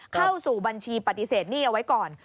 เข้าสู่บัญชีปฏิเสธหนี้เอาไว้ก่อน